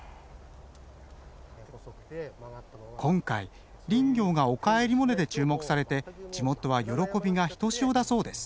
今回林業が「おかえりモネ」で注目されて地元は喜びがひとしおだそうです。